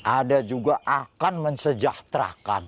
ada juga akan mensejahterakan